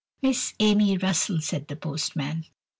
"Miss Amy Russell?" said the postman.